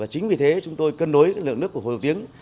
chính vì thế chúng tôi cân đối lượng nước của hồ tiếng